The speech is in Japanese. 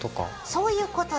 そういうことだ。